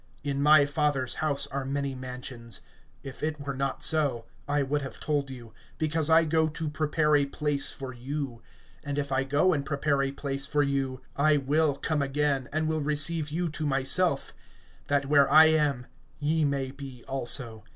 (2)In my Father's house are many mansions; if it were not so, I would have told you; because I go to prepare a place for you. (3)And if I go and prepare a place for you, I will come again, and will receive you to myself; that where I am ye may be also.